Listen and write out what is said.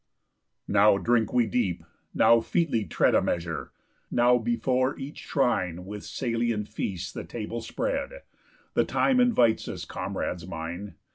Now drink we deep, now featly tread A measure; now before each shrine With Salian feasts the table spread; The time invites us, comrades mine.